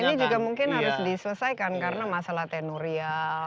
ini juga mungkin harus diselesaikan karena masalah tenurial